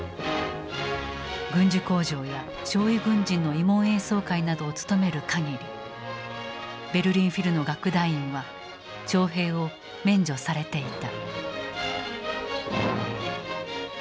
軍需工場や傷痍軍人の慰問演奏会などを務めるかぎりベルリン・フィルの楽団員は徴兵を免除されていた。